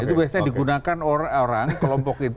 itu biasanya digunakan orang orang kelompok itu